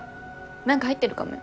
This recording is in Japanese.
何か入ってるかもよ。